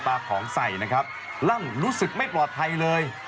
ของใส่นะครับลั่นรู้สึกไม่ปลอดภัยเลย